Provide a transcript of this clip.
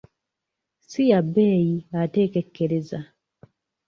Si ya bbeyi ate ekekereza.